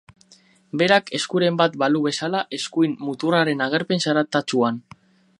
Berak eskuren bat balu bezala eskuin muturraren agerpen zaratatsuan.